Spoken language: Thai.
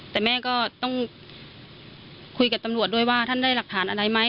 แต่แม่ก็ต้องคุยกับตำรวจด้วยว่าท่านได้หลักฐานอะไรไหม